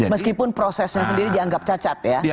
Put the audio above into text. meskipun prosesnya sendiri dianggap cacat ya